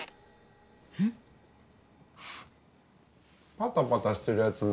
パタパタしてるやつも。